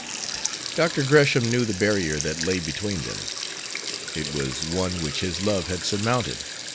Dr. Gresham knew the barrier that lay between them. It was one which his love had surmounted.